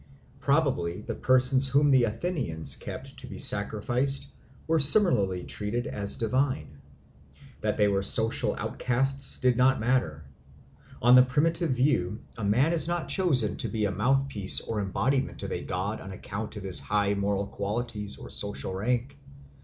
Probably the persons whom the Athenians kept to be sacrificed were similarly treated as divine. That they were social outcasts did not matter. On the primitive view a man is not chosen to be the mouth piece or embodiment of a god on account of his high moral qualities or social rank.